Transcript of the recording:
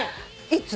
いつ？